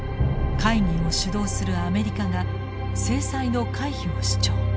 会議を主導するアメリカが制裁の回避を主張。